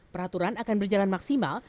peraturan akan berjalan maksimal